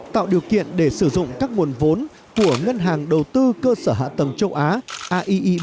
tạo điều kiện để sử dụng các nguồn vốn của ngân hàng đầu tư cơ sở hạ tầng châu á aic